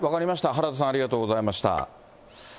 原田さんありがとうございました。